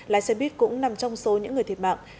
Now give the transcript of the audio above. lái xe buýt cũng nằm trong số những người thiệt mạng